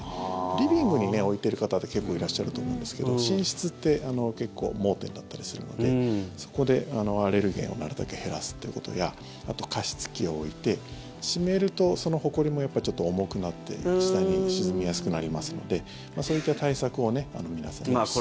リビングに置いている方って結構いらっしゃると思うんですが寝室って結構、盲点だったりするのでそこでアレルゲンをなるだけ減らすということやあと、加湿器を置いて湿るとほこりも重くなって下に沈みやすくなりますのでそういった対策を皆さんにおすすめしています。